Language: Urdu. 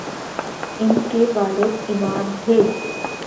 ان کے والد امام تھے۔